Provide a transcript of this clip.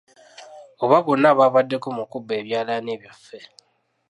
Oba bonna baabaddeko mu kubba ebyalaani byaffe?